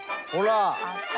ほら！